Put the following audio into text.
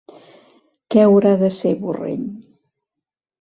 Què haurà de ser Borrell?